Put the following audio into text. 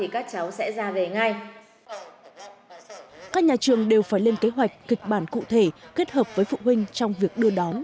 các nhà trường đều phải lên kế hoạch kịch bản cụ thể kết hợp với phụ huynh trong việc đưa đón